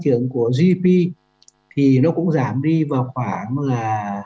cái tăng trị của gdp thì nó cũng giảm đi vào khoảng là sáu